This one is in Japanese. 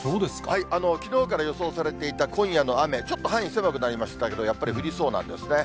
きのうから予想されていた今夜の雨、ちょっと範囲狭くなりましたけど、やっぱり降りそうなんですね。